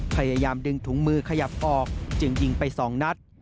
พยายามดึงถุงมือขยับออกจึงยิงไป๒นัด